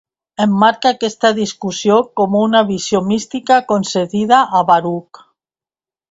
Emmarca aquesta discussió com una visió mística concedida a Baruc.